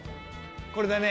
これだね。